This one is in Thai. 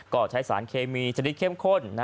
ก็ใช้สารเคมีชนิดเข้มข้น